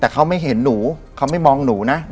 แต่เขาไม่เห็นหนูเขาไม่มองหนูนะ